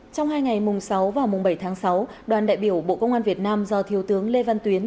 trong hai ngày mùng sáu và mùng bảy tháng sáu đoàn đại biểu bộ công an việt nam do thiếu tướng lê văn tuyến